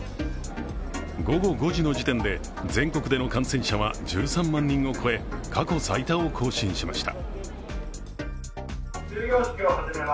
午後５時の時点で全国での感染数は１３万人を超え過去最多を更新しました。